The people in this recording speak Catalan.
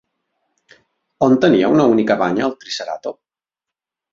On tenia una única banya el triceratop?